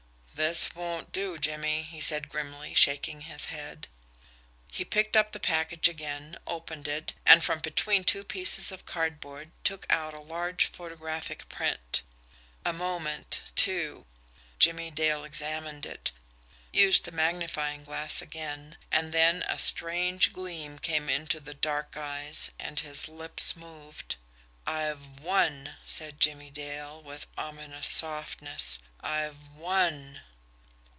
"This won't do, Jimmie," he said grimly, shaking his head. He picked up the package again, opened it, and from between two pieces of cardboard took out a large photographic print. A moment, two, Jimmie Dale examined it, used the magnifying glass again; and then a strange gleam came into the dark eyes, and his lips moved. "I've won," said Jimmie Dale, with ominous softness. "I've WON!"